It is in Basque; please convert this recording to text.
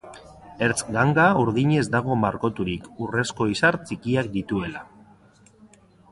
Ertz-ganga urdinez dago margoturik, urrezko izar txikiak dituela.